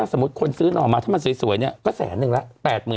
สมมุติคนซื้อหน่อมาถ้ามันสวยเนี่ยก็แสนนึงแล้ว